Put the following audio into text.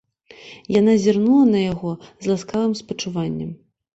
Яна зірнула на яго з ласкавым спачуваннем.